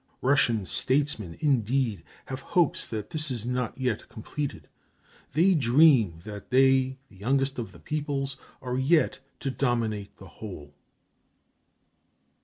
Russian statesmen, indeed, have hopes that this is not yet completed. They dream that they, the youngest of the peoples, are yet to dominate the whole.